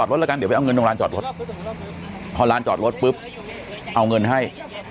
เดี๋ยวไปเอาเงินลงร้านจอดรถพอร้านจอดรถเอาเงินให้